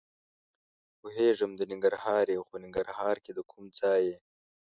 پوهېږم د ننګرهار یې؟ خو ننګرهار کې د کوم ځای یې؟